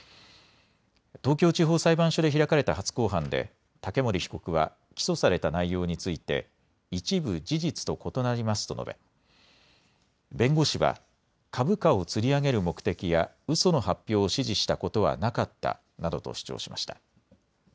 東京地方裁判所で開かれた初公判で竹森被告は起訴された内容について一部事実と異なりますと述べ、弁護士は株価をつり上げる目的やうその発表を指示したことはなかったなどと主張しました。